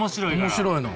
面白いの？